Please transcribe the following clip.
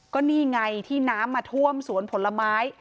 ก็นี่ไงที่น้ำมาท่วมสวนผลไม้